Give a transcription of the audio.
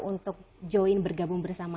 untuk join bergabung bersama